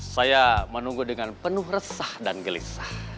saya menunggu dengan penuh resah dan gelisah